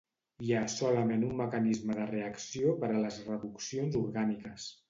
Hi ha solament un mecanisme de reacció per a les reduccions orgàniques.